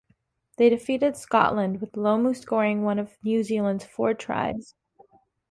They defeated Scotland, with Lomu scoring one of New Zealand's four tries.